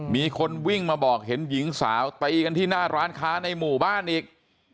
มีคนวิ่งมาบอกเห็นหญิงสาวตีกันที่หน้าร้านค้าในหมู่บ้านอีก